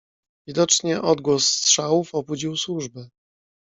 "Widocznie odgłos strzałów obudził służbę."